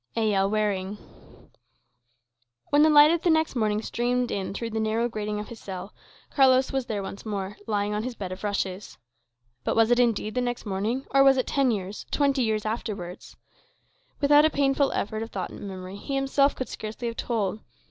A. L. Waring When the light of the next morning streamed in through the narrow grating of his cell, Carlos was there once more, lying on his bed of rushes. But was it indeed the next morning, or was it ten years, twenty years afterwards? Without a painful effort of thought and memory, he himself could scarcely have told.